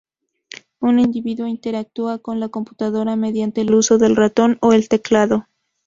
Un individuo interactúa con la computadora mediante el uso del ratón o el teclado.